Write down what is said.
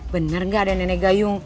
bener gak ada nenek gayung